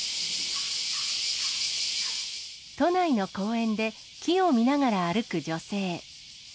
都内の公園で、木を見ながら歩く女性。